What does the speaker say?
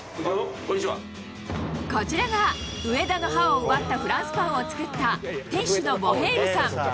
こちらが上田の歯を奪ったフランスパンを作った店主のボヘールさん。